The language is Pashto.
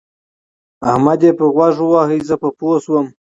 احمد يې په غوږ وواهه زه پرې پوه شوم.